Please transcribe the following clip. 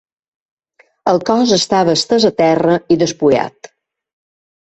El cos estava estès a terra i despullat.